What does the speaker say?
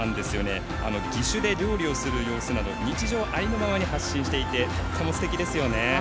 義手で料理をする様子など日常を発信していてとってもすてきですよね。